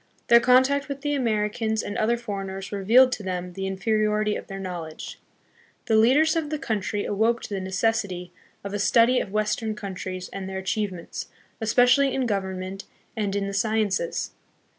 Their contact with the Americans and other foreigners revealed to them the in feriority of their knowledge. The leaders of the country A SUBJECT FOR HISTORICAL STUDY. H awoke to the necessity of a study of western countries and their achievements, especially in government and in the sciences.